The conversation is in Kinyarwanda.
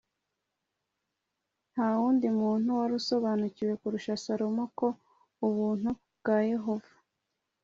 nta wundi muntu wari usobanukiwe kurusha salomo ko ubuntu bwa yehova